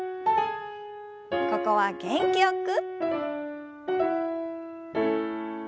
ここは元気よく。